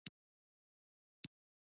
غریب د ټولو ستړې کیسې لري